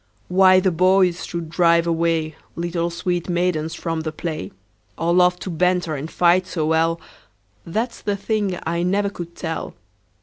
Why the boys should drive away Little sweet maidens from the play, Or love to banter and fight so well, That 's the thing I never could tell.